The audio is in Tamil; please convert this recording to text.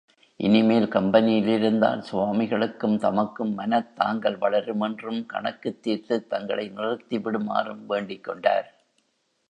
இனிமேல் கம்பெனியிலிருந்தால் சுவாமிகளுக்கும் தமக்கும் மனத் தாங்கல் வளருமென்றும் கணக்குத் தீர்த்துத் தங்களை நிறுத்திவிடுமாறும் வேண்டிக்கொண்டார்.